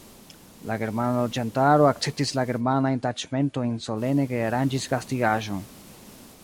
La germana loĝantaro akceptis la germanajn taĉmentojn solene kaj aranĝis gastigaĵon.